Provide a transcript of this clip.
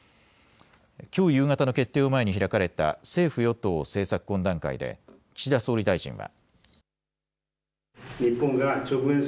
きょう夕方の決定を前に開かれた政府与党政策懇談会で岸田総理大臣は。